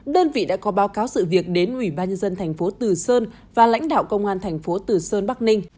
đơn vị đã có báo cáo sự việc đến ủy ban nhân dân tp thừa sơn và lãnh đạo công an tp thừa sơn bắc ninh